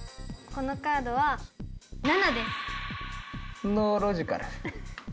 このカードは７です。